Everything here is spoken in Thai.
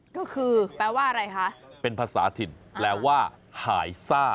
ก็คือแปลว่าอะไรคะเป็นภาษาถิ่นแปลว่าหายซ่า